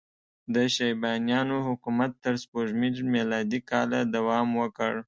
د شیبانیانو حکومت تر سپوږمیز میلادي کاله دوام وکړ.